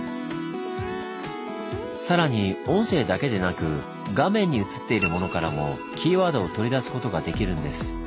さらに音声だけでなく画面に映っているものからもキーワードを取り出すことができるんです。